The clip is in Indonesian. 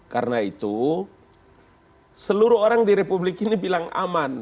karena itu seluruh orang di republik ini bilang aman